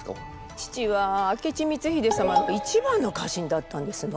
父は明智光秀様の一番の家臣だったんですの。